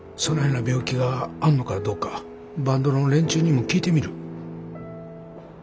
そないな病気があんのかどうかバンドの連中にも聞いてみる。